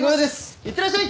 いってらっしゃい！